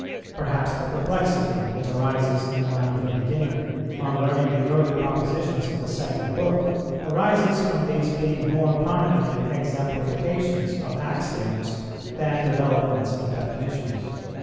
Perhaps the perplexity, which arises in the mind of a beginner, on learning the early propositions of the second book, arises from these being more prominently exemplifications of axioms than developments of definitions.